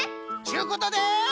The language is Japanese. ちゅうことで。